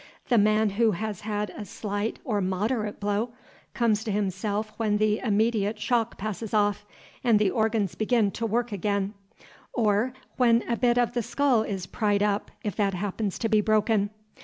The man who has had a slight or moderate blow comes to himself when the immediate shock passes off and the organs begin to work again, or when a bit of the skull is pried up, if that happens to be broken.